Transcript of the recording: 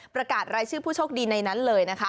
ประกาศรายชื่อผู้โชคดีในนั้นเลยนะคะ